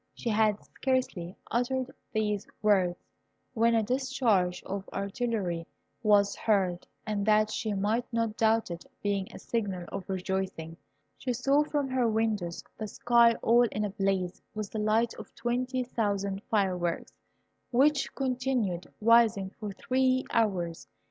She had scarcely uttered these words when a discharge of artillery was heard, and that she might not doubt it being a signal of rejoicing, she saw from her windows the sky all in a blaze with the light of twenty thousand fireworks, which continued rising for three hours.